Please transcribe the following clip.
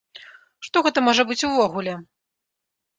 Што гэта можа быць увогуле?